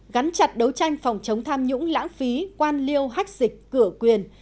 gắn chặt đấu tranh phòng chống tham nhũng lãng phí quan liêu hách dịch cửa quyền